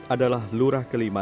adalah lurah kelima